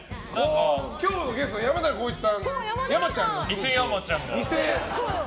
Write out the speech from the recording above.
今日のゲスト、山寺宏一さんやまちゃん。